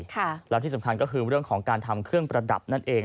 แล้วที่สำคัญก็คือเรื่องของการทำเครื่องประดับนั่นเอง